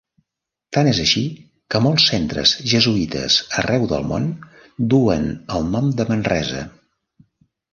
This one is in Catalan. Tant és així que molts centres jesuïtes arreu del món duen el nom de Manresa.